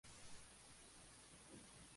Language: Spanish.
Es uno de los cofundadores del Frente Amplio.